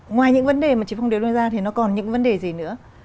ngoài những vấn đề mà chị phong điệp nêu ra thì nó còn những vấn đề gì nữa